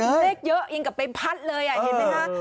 เลขเยอะยังกลับไปพัดเลยเห็นไหมคะ